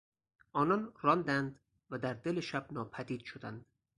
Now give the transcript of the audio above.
آنان راندند و در دل شب ناپدید شدند.